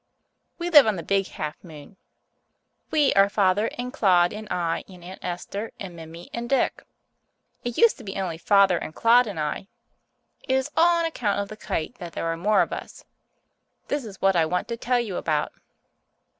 We live on the Big Half Moon. "We" are Father and Claude and I and Aunt Esther and Mimi and Dick. It used to be only Father and Claude and I. It is all on account of the kite that there are more of us. This is what I want to tell you about.